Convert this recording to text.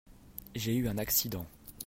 J'ai eu un accident.